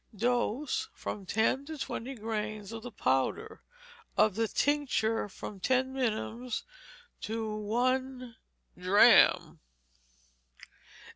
Dose, from ten to twenty grains of the powder; of the tincture, from ten minims to one drachm.